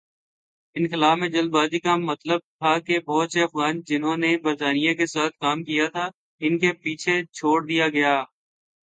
انخلا میں جلد بازی کا مطلب تھا کہ بہت سے افغان جنہوں نے برطانیہ کے ساتھ کام کیا تھا ان کو پیچھے چھوڑ دیا گیا۔